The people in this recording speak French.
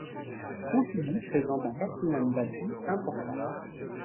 Pontivy présente un patrimoine bâti important.